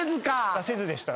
出せずでした。